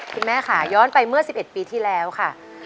คุณแม่ค่ะย้อนไปเมื่อ๑๑ปีที่แล้วค่ะ